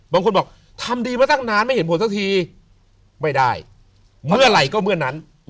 บางคนบอกทำดีมาตั้งนานไม่เห็นผลสักทีไม่ได้เมื่อไหร่ก็เมื่อนั้น